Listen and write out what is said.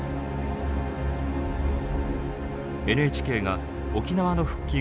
ＮＨＫが沖縄の復帰